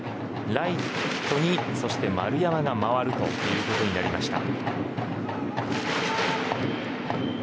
ライトに、そして丸山が回るということになりました。